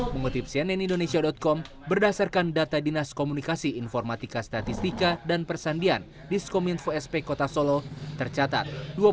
mengutip cnn indonesia com berdasarkan data dinas komunikasi informatika statistika dan persandian diskominfo sp kota solo tercatat